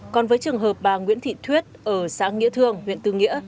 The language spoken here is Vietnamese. còn với trường hợp bà nguyễn thị thuyết ở xã nghĩa thương huyện tư nghĩa